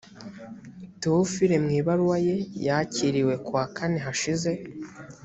theophile mu ibaruwa ye yakiriwe kuwa kane hashize.